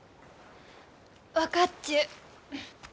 分かっちゅう。